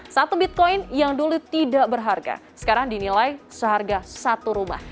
satu bitcoin yang dulu tidak berharga sekarang dinilai seharga satu rumah